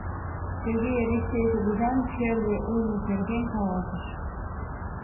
Сергей Элексей кугызан черле улмыж нерген каласыш.